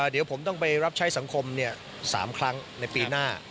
เดี๋ยวผมต้องไปรับใช้สังคม๓ครั้งในปีหน้า